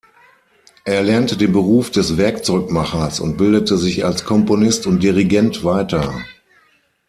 Er lernte den Beruf des Werkzeugmachers und bildete sich als Komponist und Dirigent weiter.